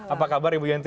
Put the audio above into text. apa kabar ibu yenti